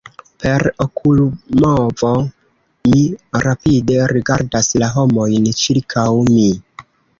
Per okulmovo, mi rapide rigardas la homojn ĉirkaŭ mi.